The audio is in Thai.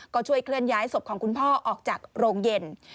ก็ช่วยเคลื่อนย้ายศพของคุณพ่อออกจากโรงเย็น